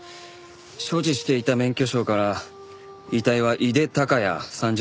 所持していた免許証から遺体は井手孝也３０歳。